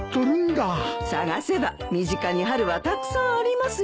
探せば身近に春はたくさんありますよ。